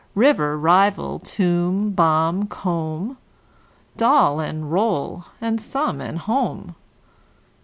River, rival; tomb, bomb, comb; Doll and roll and some and home.